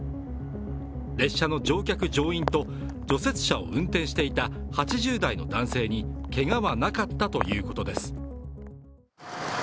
列車の乗客乗員と除雪車を運転していた８０代の男性にけがはなかったということです。